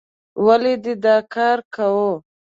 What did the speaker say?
ولې دې دا کار کوو؟